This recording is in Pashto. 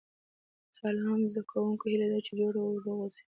سلام زده کوونکو هیله ده چې جوړ او روغ اوسئ